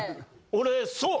俺そう！